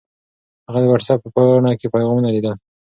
هغه د وټس اپ په پاڼه کې پیغامونه لیدل.